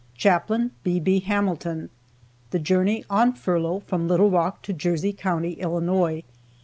CHAPLAIN B. B. HAMILTON. THE JOURNEY ON FURLOUGH FROM LITTLE ROCK TO JERSEY COUNTY, ILLINOIS.